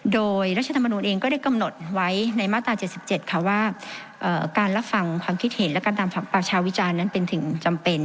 โดยรัฐธรรมนูลเองก็ได้กำหนดไว้ในมาตรา๗๗ค่ะว่าการรับฟังความคิดเห็นและการตามประชาวิจารณ์นั้นเป็นถึงจำเป็น